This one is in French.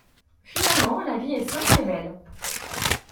Finalement, la vie est simple et belle.